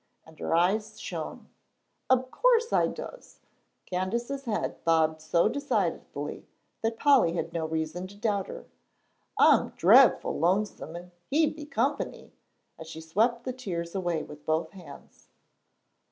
and her eyes shone. "Ob course I does;" Candace's head bobbed so decidedly that Polly had no reason to doubt her. "I'm dre'ful lonesome and he'd be comp'ny," as she swept the tears away with both hands.